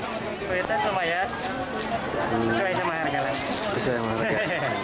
kualitas lumayan sesuai sama harganya